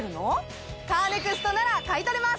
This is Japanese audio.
カーネクストなら買い取れます！